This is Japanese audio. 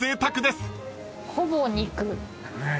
ほぼ肉。